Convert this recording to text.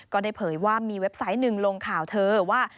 เผยว่ามีเว็บไซต์หนึ่งลงข่าวเธอว่า